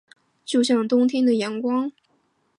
就像冬天的阳光